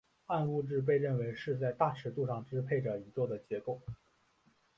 暗物质被认为是在大尺度上支配着宇宙的结构。